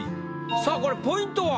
さあこれポイントは？